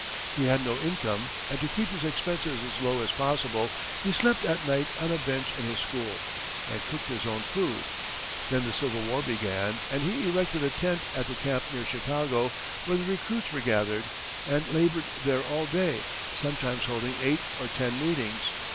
He had no income, and to keep his expenses as low as possible, he slept at night on a bench in his school, and cooked his own food. Then the Civil War began, and he erected a tent at the camp near Chicago where the recruits were gathered, and labored there all day, sometimes holding eight or ten meetings.